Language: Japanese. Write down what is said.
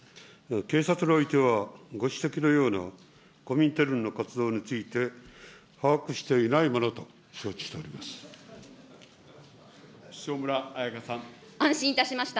警察においては、ご指摘のようなコミンテルンの活動について、把握していないものと承知しております。